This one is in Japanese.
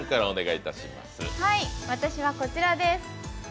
私はこちらです。